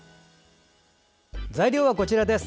材料はこちらです。